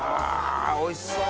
おいしそう！